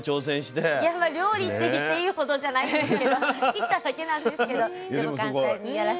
いや料理って言っていいほどじゃないんですけど切っただけなんですけどでも簡単にやらせてもらいました。